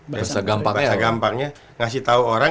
bahasa gampangnya ngasih tahu orang